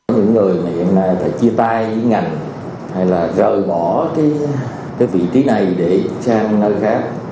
những người mà hiện nay phải chia tay với ngành hay là rời bỏ cái vị trí này để sang nơi khác